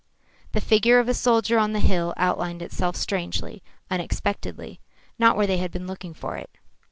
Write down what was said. The figure of a soldier on the hill outlined itself strangely, unexpectedly, not where they had been looking for it.